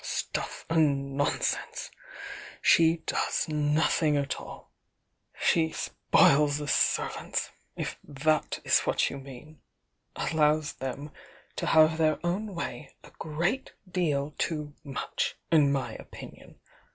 "Stuff and nonsense! She does nothing at all! She spoils the servants, if that is what you mean,— allows them to have their own way a great deal too much, in my opinion!